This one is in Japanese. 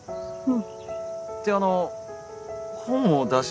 うん